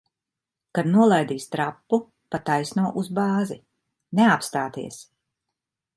Kad nolaidīs trapu, pa taisno uz bāzi. Neapstāties!